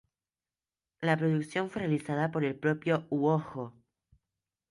La producción fue realizada por el propio Uoho.